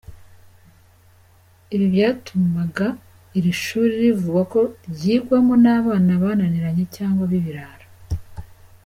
Ibi byatumaga iri shuri bivugwa ko ryigwamo n’abana bananianye cyangwa b’ibirara.